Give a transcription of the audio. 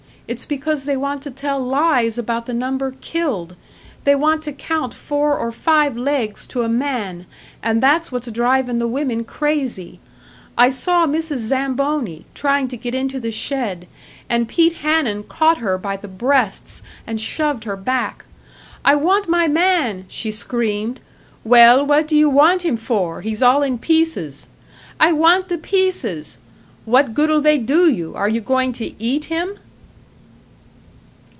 It's because they want to tell lies about the number killed! They want to count four or five legs to a man! And that's what's drivin' the women crazy! I saw Mrs. Zamboni, tryin' to get into the shed, and Pete Hanun caught her by the breasts and shoved her back. 'I want my man!' she screamed. 'Well, what do you want him for? He's all in pieces!' 'I want the pieces!' 'What good'll they do you? Are you goin' to eat him?'"